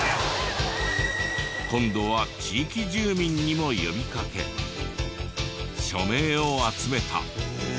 今度は地域住民にも呼びかけ署名を集めた。